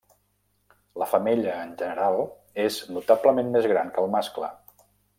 La femella en general és notablement més gran que el mascle.